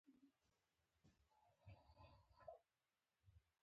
نورستان د ټولو افغانانو د ګټورتیا یوه خورا مهمه برخه ده.